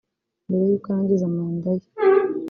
mbere y’ uko arangiza manda ye